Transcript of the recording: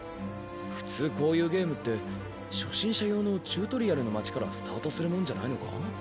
普通こういうゲームって初心者用のチュートリアルの街からスタートするもんじゃないのか？